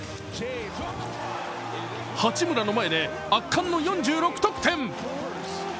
八村の前で圧巻の４６得点。